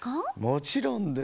もちろんです。